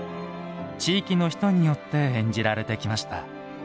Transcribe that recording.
地域の人によって演じられてきました。